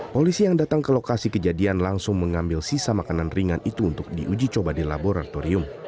polisi yang datang ke lokasi kejadian langsung mengambil sisa makanan ringan itu untuk diuji coba di laboratorium